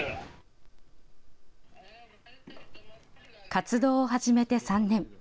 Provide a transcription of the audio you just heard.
活動を始めて３年。